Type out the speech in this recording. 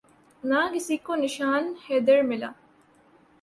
نہ کسی کو نشان حیدر ملا